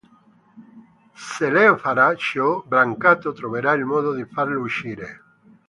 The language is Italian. Se Leo farà ciò, Brancato troverà il modo di farlo uscire.